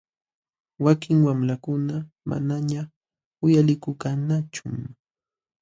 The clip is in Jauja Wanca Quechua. Wakin wamlakuna manañaq uyalikulkanñachum.